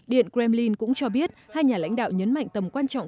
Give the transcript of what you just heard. điện kremlin cũng cho biết hai nhà lãnh đạo nhấn mạnh tầm quan trọng